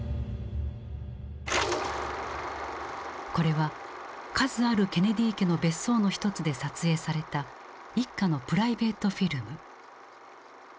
これは数あるケネディ家の別荘の一つで撮影された一家のプライベートフィルム。